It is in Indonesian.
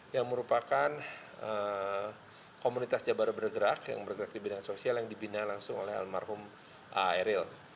yang merupakan komunitas jabar bergerak yang bergerak di bidang sosial yang dibina langsung oleh almarhum eril